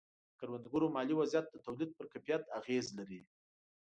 د کروندګرو مالي وضعیت د تولید پر کیفیت اغېز لري.